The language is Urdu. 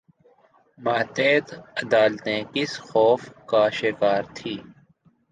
ماتحت عدالتیں کس خوف کا شکار تھیں؟